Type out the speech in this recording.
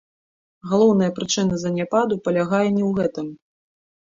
Галоўная прычына заняпаду палягае не ў гэтым.